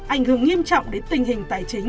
ảnh hưởng nghiêm trọng đến tình hình tài chính